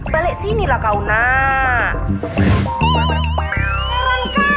balik sini lah kau nak